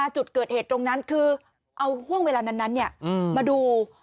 จุดเกิดเหตุตรงนั้นคือเอาห่วงเวลานั้นมาดู